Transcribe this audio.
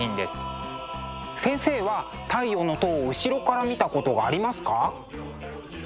先生は「太陽の塔」を後ろから見たことはありますか？